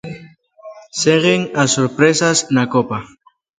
Seguen as sorpresas na Copa.